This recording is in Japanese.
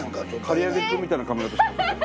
かりあげクンみたいな髪形してる。